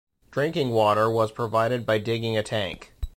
Drinking water was provided by digging a tank.